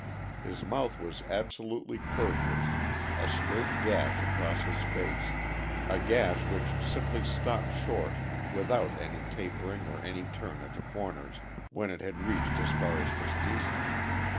His mouth was absolutely curveless a straight gash across his face; a gash which simply stopped short without any tapering or any turn at the corners, when it had reached as far as was decent.